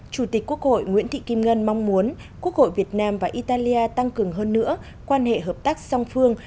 chủ tịch quốc hội nguyễn thị kim ngân mong muốn quốc hội việt nam và italia tăng cường hơn nữa quan hệ hợp tác song phương